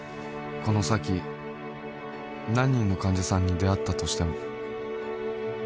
この先何人の患者さんに出会ったとしても